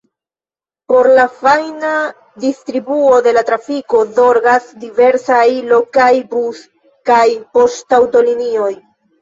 Por la fajna distribuo de la trafiko zorgas diversaj lokaj bus- kaj poŝtaŭtolinioj.